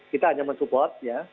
kita hanya men support ya